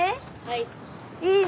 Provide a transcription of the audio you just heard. はい。